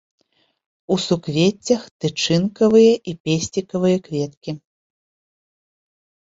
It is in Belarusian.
У суквеццях тычынкавыя і песцікавыя кветкі.